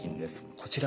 こちらは？